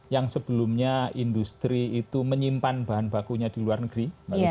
yang sebelumnya industri itu menyimpan bahan bakunya di luar negeri